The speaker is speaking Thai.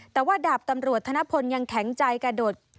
แต่ว่าดาบตำรวจธนพลยังแข็งใจกระโดด